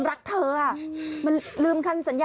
แบบนี้เลย